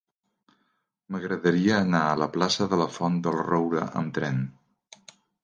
M'agradaria anar a la plaça de la Font del Roure amb tren.